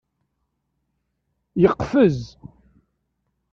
Yeqfez.